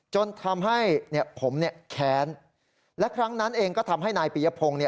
จนทำให้ผมแค้นและครั้งนั้นเองก็ทำให้นายปียพงศ์